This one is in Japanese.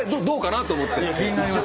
どうかなと思って。